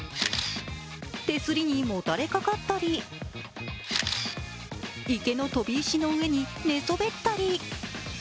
手すりにもたれかかったり池の飛び石の上に寝そべったり。